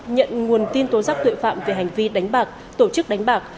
nhận nguồn tin tố giác tội phạm về hành vi đánh bạc tổ chức đánh bạc